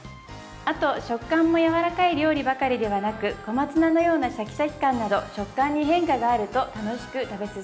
あと食感もやわらかい料理ばかりではなく小松菜のようなシャキシャキ感など食感に変化があると楽しく食べ進められます。